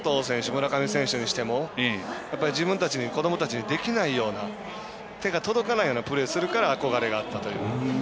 村上選手にしても子どもたちにできないような手が届かないようなプレーをするから憧れがあったという。